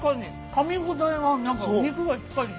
かみ応えが何か肉がしっかりして。